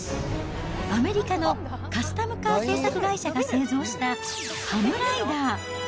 アメリカのカスタムカー製作会社が製造したハムライダー。